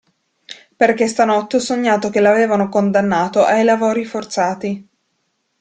Perché stanotte ho sognato che l'avevano condannato ai lavori forzati.